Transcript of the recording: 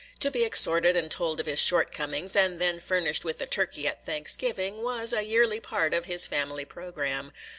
To be exhorted and told of his shortcomings, and then furnished with a turkey at Thanksgiving, was a yearly part of his family programme.